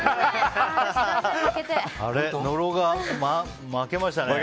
野呂が負けましたね。